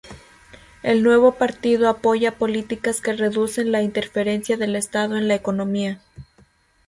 El Nuevo Partido apoya políticas que reducen la interferencia del estado en la economía.